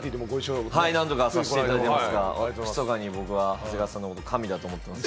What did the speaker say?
何度かご一緒させていただいてますが、ひそかに長谷川さんのことを神だと思っています。